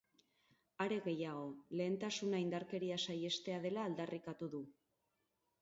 Are gehiago, lehentasuna indarkeria saihestea dela aldarrikatu du.